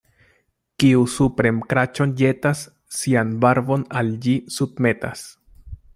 Kiu supren kraĉon ĵetas, sian barbon al ĝi submetas.